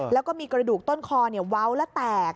แล้วก็มีกระดูกต้นคอเว้าและแตก